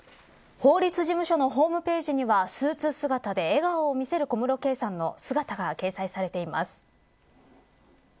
法律事務所のホームページにはスーツ姿で笑顔を見せる小室圭さんの姿が掲載されています。